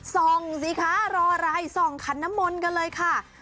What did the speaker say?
ส่องสิคะรออะไรส่องขันน้ำมนต์กันเลยค่ะ